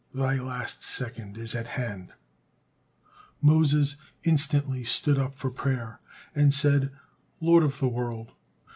Thy last second is at hand." Moses instantly stood up for prayer, and said: "Lord of the world!